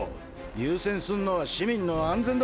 優先すんのは市民の安全だ。